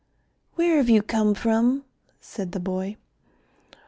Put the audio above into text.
"Where have you come from?" said the boy.